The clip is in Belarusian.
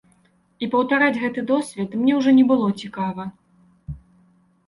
І паўтараць гэты досвед мне ўжо не было цікава.